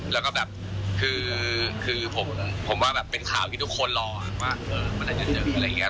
แล้วก็แบบคือผมว่าแบบเป็นข่าวที่ทุกคนรอว่ามันอาจจะเจออะไรอย่างนี้